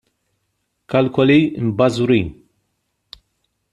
Kalkoli mbażwrin!